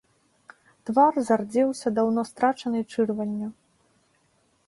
Твар зардзеўся даўно страчанай чырванню.